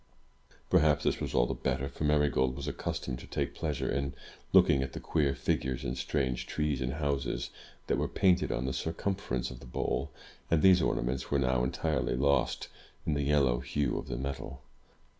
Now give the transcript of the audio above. Perhaps this was all the better; for Marygold was accustomed to take pleasure in looking at the queer figures, and strange trees and houses, that were painted on the circumference of the bowl; and these orna ments were now entirely lost in the yellow hue of the metal.